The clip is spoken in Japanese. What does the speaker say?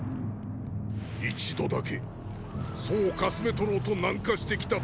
一度だけ楚をかすめ取ろうと南下してきた馬鹿がいた。